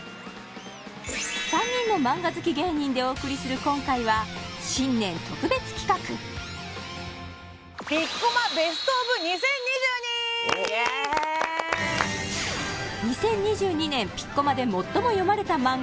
３人のマンガ好き芸人でお送りする今回は新年特別企画イエーイ２０２２年ピッコマで最も読まれた漫画